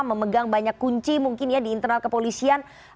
memegang banyak kunci mungkin ya di internal kepolisian